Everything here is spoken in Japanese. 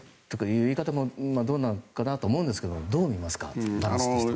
そういう言い方もどうなのかなと思うんですがどう思いますか？